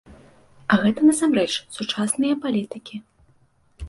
А гэта насамрэч сучасныя палітыкі.